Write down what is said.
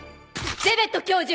ゼベット教授！